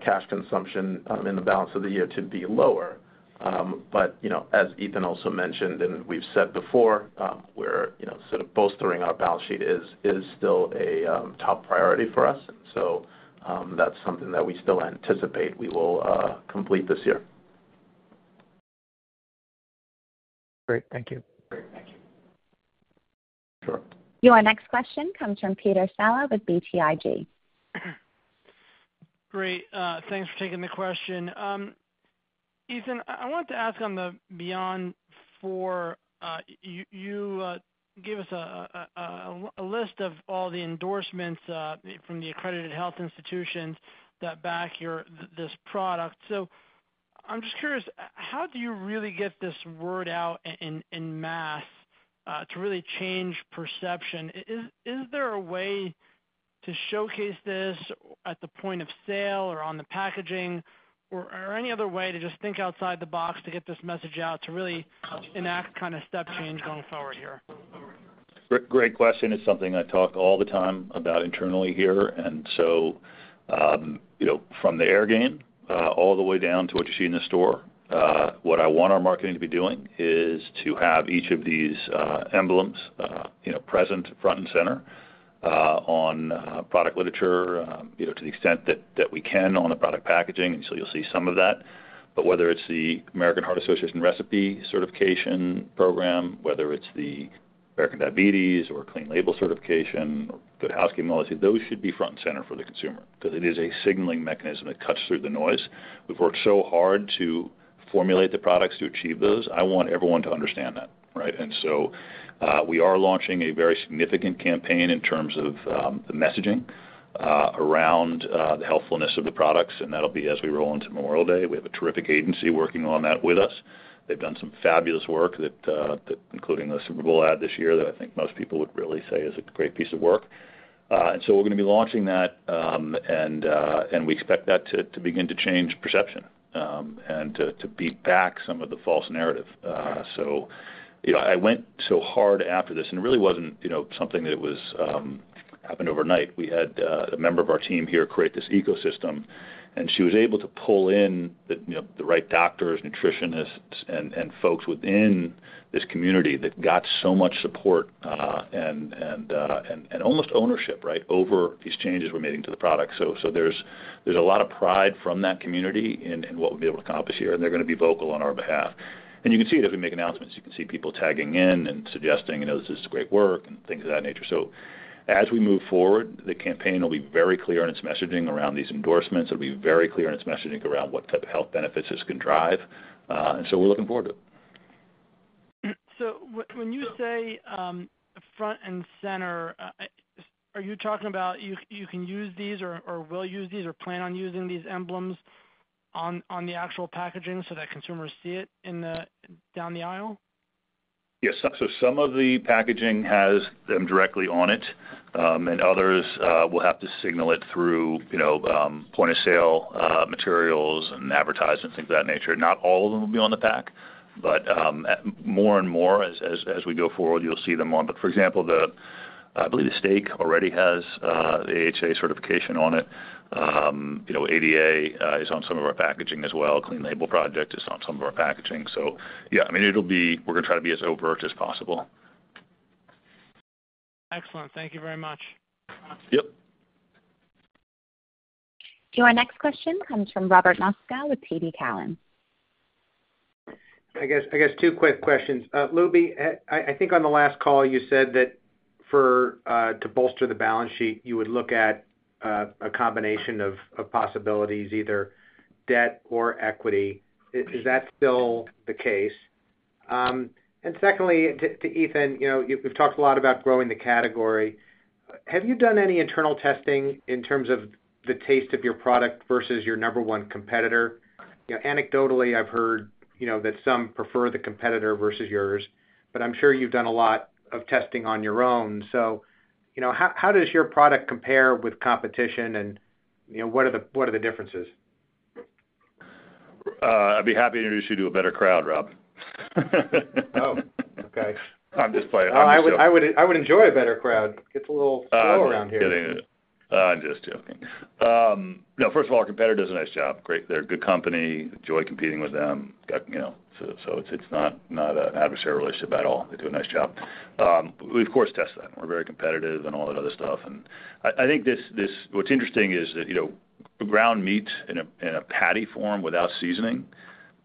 cash consumption in the balance of the year to be lower. But as Ethan also mentioned and we've said before, where sort of bolstering our balance sheet is still a top priority for us. And so that's something that we still anticipate we will complete this year. Great. Thank you. Great. Thank you. Sure. Your next question comes from Peter Saleh with BTIG. Great. Thanks for taking the question. Ethan, I wanted to ask on the Beyond IV, you gave us a list of all the endorsements from the accredited health institutions that back this product. So I'm just curious, how do you really get this word out en masse to really change perception? Is there a way to showcase this at the point of sale or on the packaging, or any other way to just think outside the box to get this message out to really enact kind of step change going forward here? Great question. It's something I talk all the time about internally here. So from the air game all the way down to what you see in the store, what I want our marketing to be doing is to have each of these emblems present front and center on product literature to the extent that we can on the product packaging. So you'll see some of that. But whether it's the American Heart Association Heart-Check Food Certification Program, whether it's the American Diabetes Association Better Choices for Life or Clean Label Project certification, Good Housekeeping Nutritionist Approved Emblem, those should be front and center for the consumer because it is a signaling mechanism that cuts through the noise. We've worked so hard to formulate the products to achieve those. I want everyone to understand that, right? So we are launching a very significant campaign in terms of the messaging around the healthfulness of the products. And that'll be as we roll into Memorial Day. We have a terrific agency working on that with us. They've done some fabulous work, including a Super Bowl ad this year that I think most people would really say is a great piece of work. And so we're going to be launching that. And we expect that to begin to change perception and to beat back some of the false narrative. So I went so hard after this. And it really wasn't something that happened overnight. We had a member of our team here create this ecosystem. And she was able to pull in the right doctors, nutritionists, and folks within this community that got so much support and almost ownership, right, over these changes we're making to the product. So there's a lot of pride from that community in what we'll be able to accomplish here. They're going to be vocal on our behalf. You can see it as we make announcements. You can see people tagging in and suggesting, "This is great work," and things of that nature. So as we move forward, the campaign will be very clear in its messaging around these endorsements. It'll be very clear in its messaging around what type of health benefits this can drive. So we're looking forward to it. When you say front and center, are you talking about you can use these or will use these or plan on using these emblems on the actual packaging so that consumers see it down the aisle? Yes. So some of the packaging has them directly on it. And others will have to signal it through point-of-sale materials and advertisements, things of that nature. Not all of them will be on the pack. But more and more, as we go forward, you'll see them on. But for example, I believe the steak already has the AHA certification on it. ADA is on some of our packaging as well. Clean Label Project is on some of our packaging. So yeah, I mean, we're going to try to be as overt as possible. Excellent. Thank you very much. Yep. Your next question comes from Robert Moskow with TD Cowen. I guess two quick questions. Lubi, I think on the last call, you said that to bolster the balance sheet, you would look at a combination of possibilities, either debt or equity. Is that still the case? And secondly, to Ethan, we've talked a lot about growing the category. Have you done any internal testing in terms of the taste of your product versus your number one competitor? Anecdotally, I've heard that some prefer the competitor versus yours. But I'm sure you've done a lot of testing on your own. So how does your product compare with competition? And what are the differences? I'd be happy to introduce you to a better crowd, Rob. Oh, okay. I'm just playing. I'm just joking. I would enjoy a better crowd. It gets a little slow around here. I'm just joking. No, first of all, our competitor does a nice job. Great. They're a good company. Enjoy competing with them. So it's not an adversarial relationship at all. They do a nice job. We, of course, test that. We're very competitive and all that other stuff. And I think what's interesting is that ground meat in a patty form without seasoning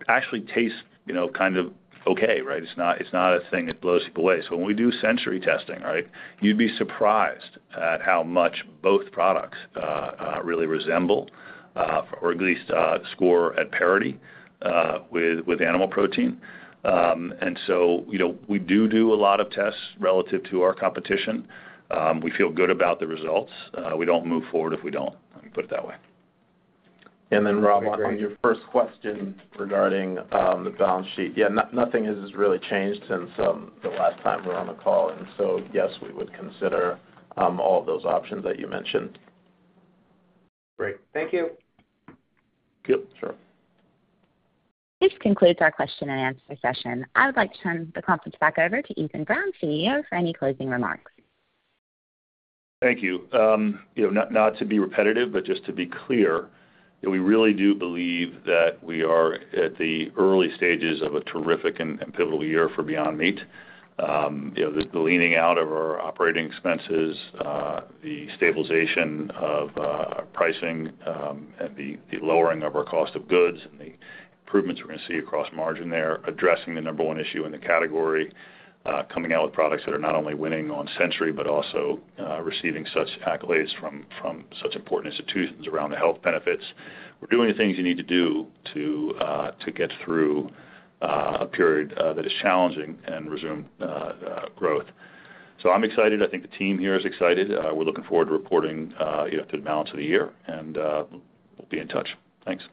actually tastes kind of okay, right? It's not a thing that blows people away. So when we do sensory testing, right, you'd be surprised at how much both products really resemble or at least score at parity with animal protein. And so we do do a lot of tests relative to our competition. We feel good about the results. We don't move forward if we don't. Let me put it that way. And then, Rob, on your first question regarding the balance sheet, yeah, nothing has really changed since the last time we were on the call. And so yes, we would consider all of those options that you mentioned. Great. Thank you. Yep. Sure. This concludes our question and answer session. I would like to turn the conference back over to Ethan Brown, CEO, for any closing remarks. Thank you. Not to be repetitive, but just to be clear, we really do believe that we are at the early stages of a terrific and pivotal year for Beyond Meat. The leaning out of our operating expenses, the stabilization of pricing, and the lowering of our cost of goods and the improvements we're going to see across margin there, addressing the number one issue in the category, coming out with products that are not only winning on sensory but also receiving such accolades from such important institutions around the health benefits, we're doing the things you need to do to get through a period that is challenging and resume growth. I'm excited. I think the team here is excited. We're looking forward to reporting through the balance of the year. We'll be in touch. Thanks.